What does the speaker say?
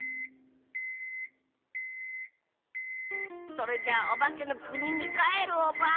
それじゃおばけのくににかえるオバ。